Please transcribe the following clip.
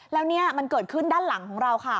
แล้วเนี่ยมันเกิดขึ้นด้านหลังของเราค่ะ